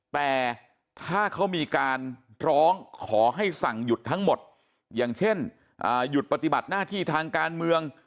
แต่ถ้าเขามีการร้องขอให้สั่งหยุดทั้งหมดอย่างเช่นหยุดปฏิบัติหน้าที่ทางการเมือง